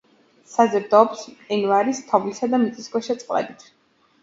საზრდოობს მყინვარის, თოვლისა და მიწისქვეშა წყლებით.